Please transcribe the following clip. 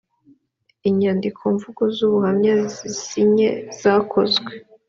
inyandikomvugo z ubuhamya zisinye zakozwe